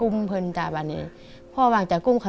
เมื่อเมื่อ